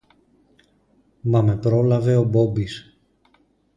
Μα με πρόλαβε ο Μπόμπης: